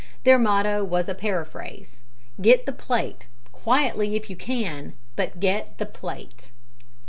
Their motto was a paraphrase, "Get the plate quietly, if you can, but get the plate!"